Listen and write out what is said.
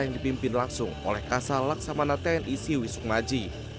yang dipimpin langsung oleh kasa laksamana tni siwi sukma aji